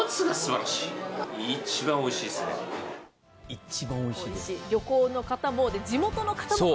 一番おいしいと。